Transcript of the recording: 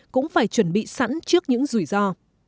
cũng phải chuẩn bị sẵn trước những rủi ro